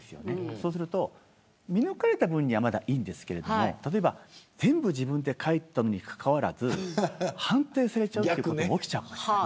そうすると見抜かれた分にはいいですが例えば全部、自分で書いたにもかかわらず判定されちゃうということも起きちゃう。